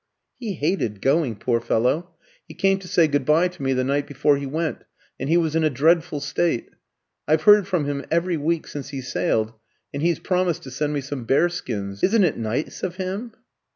"He hated going, poor fellow. He came to say good bye to me the night before he went, and he was in a dreadful state. I've heard from him every week since he sailed, and he's promised to send me some bearskins. Isn't it nice of him?"